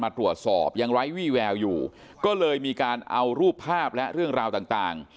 ตรวจสอบยังไร้วี่แววอยู่ก็เลยมีการเอารูปภาพและเรื่องราวต่างต่าง